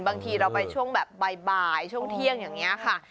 บางทีเราไปช่วงแบบบ่ายช่วงเที่ยงอย่างนี้ค่ะ